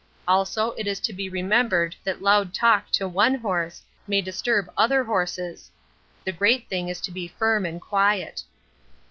Also it is to be remembered that loud talk to one horse may disturb other horses. The great thing is to be firm and quiet.